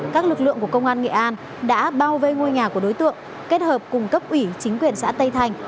các lực lượng của công an nghệ an đã bao vây ngôi nhà của đối tượng kết hợp cùng cấp ủy chính quyền xã tây thành